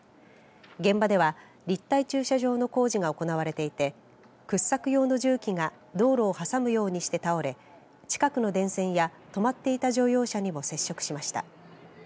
現場では立体駐車場の工事が行われていて掘削用の重機が道路を挟むようにして倒れ近くの電線や止まっていた乗用車にも接触しました。